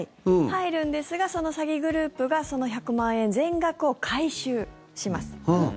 入るんですがその詐欺グループがその１００万円全額を回収します。